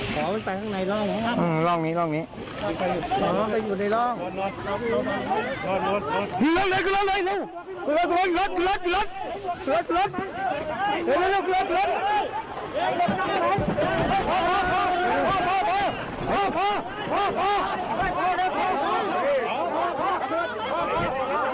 ของเข้าไปข้างในร่องนะครับ